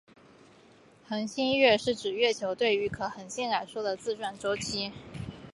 恒星月是指月球对于一颗恒星来说的自转周期。